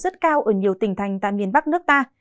nhiệt độ rất cao ở nhiều tỉnh thành tại miền bắc nước ta